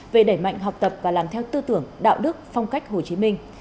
về đẩy mạnh học tập và làm theo tư tưởng đạo đức phong cách hồ chí minh